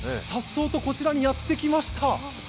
さっそうとこちらにやってきました。